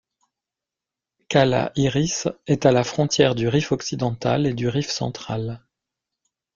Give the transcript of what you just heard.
Cala iris est à la frontière du Rif occidental et du Rif central.